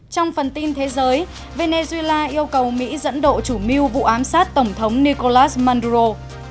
trong phần tin thế giới venezuela yêu cầu mỹ dẫn độ chủ mưu vụ ám sát tổng thống nicolas manduro